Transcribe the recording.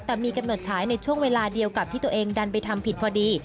แต่มีกำหนดฉายในช่วงเวลาเดียวกับที่ตัวเองดันไปทำผิดพอดี